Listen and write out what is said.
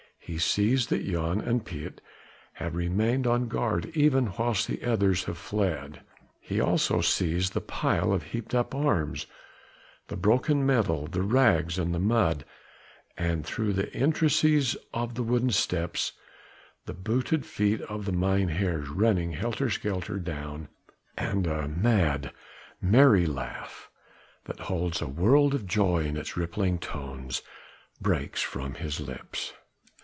He sees that Jan and Piet have remained on guard even whilst the others have fled. He also sees the pile of heaped up arms, the broken metal, the rags and the mud, and through the interstices of the wooden steps the booted feet of the mynheers running helter skelter down; and a mad, merry laugh that holds a world of joy in its rippling tones breaks from his lips.